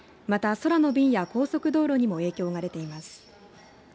また空の便や高速道路にも影響が出ています。